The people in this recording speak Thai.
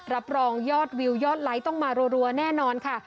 รับรองยอดวิวยอดไลค์ต้องมารัวแน่นอนค่ะ